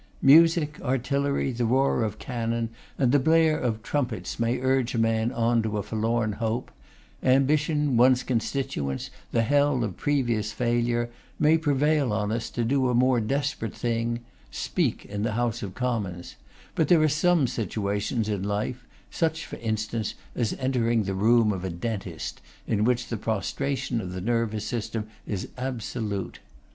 Music, artillery, the roar of cannon, and the blare of trumpets, may urge a man on to a forlorn hope; ambition, one's constituents, the hell of previous failure, may prevail on us to do a more desperate thing; speak in the House of Commons; but there are some situations in life, such, for instance, as entering the room of a dentist, in which the prostration of the nervous system is absolute.